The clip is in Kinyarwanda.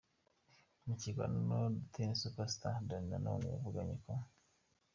Mu kiganiro na Ten Super Star, Danny Nanone yavuze ko.